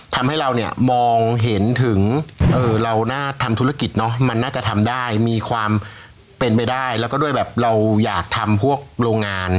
ทำให้เราเนี่ยมองเห็นถึงเราน่าทำธุรกิจเนอะมันน่าจะทำได้มีความเป็นไปได้แล้วก็ด้วยแบบเราอยากทำพวกโรงงาน